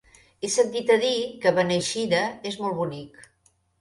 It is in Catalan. He sentit a dir que Beneixida és molt bonic.